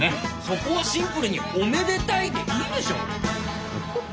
そこはシンプルに「おめでタイ」でいいでしょ！